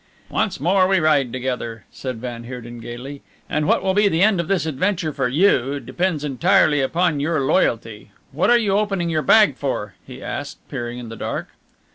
"Once more we ride together," said van Heerden gaily, "and what will be the end of this adventure for you depends entirely upon your loyalty what are you opening your bag for?" he asked, peering in the dark.